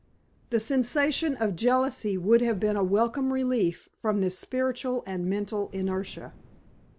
The sensation of jealousy would have been a welcome relief from this spiritual and mental inertia.